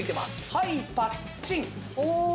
はいパッチン！